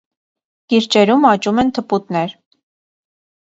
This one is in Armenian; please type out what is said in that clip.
Կիրճերում աճում են թփուտներ։